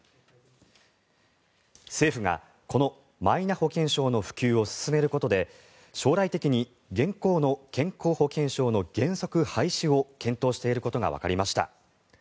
政府がこのマイナ保険証の普及を進めることで将来的に現行の健康保険証の原則廃止を検討していることがわかりました。